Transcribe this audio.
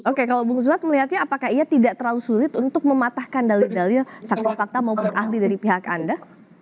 oke kalau bung zuhad melihatnya apakah ia tidak terlalu sulit untuk mematahkan dalil dalil saksi fakta fakta maupun ahli dari pihak anda